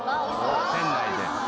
店内で。